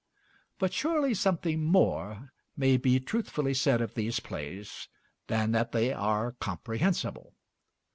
But surely something more may be truthfully said of these plays than that they are comprehensible.